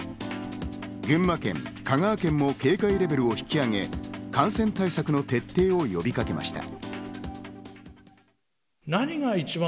群馬県、香川県も警戒レベルを引き上げ、感染対策の徹底を呼びかけました。